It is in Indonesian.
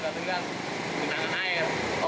tidak tidak terlihat